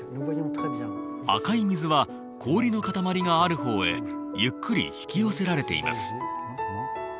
赤い水は氷の塊がある方へゆっくり引き寄せられています。